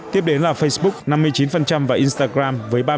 tiếp đến là facebook năm mươi chín và instagram với ba mươi